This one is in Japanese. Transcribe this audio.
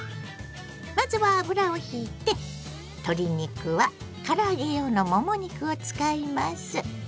まずは油をひいて鶏肉はから揚げ用のもも肉を使います。